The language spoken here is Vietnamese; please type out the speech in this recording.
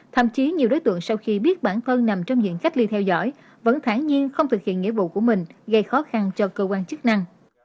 thậm chí nhiều đối tượng sau khi biết bản thân nằm trong diện cách ly theo dõi vẫn thản nhiên không thực hiện nghĩa vụ của mình gây khó khăn cho cơ quan chức năng